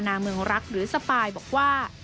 เมืองรักหรือสปายบอกว่า